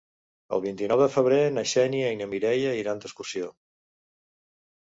El vint-i-nou de febrer na Xènia i na Mireia iran d'excursió.